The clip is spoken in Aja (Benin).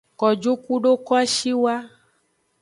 Kojo kudo kwashiwa.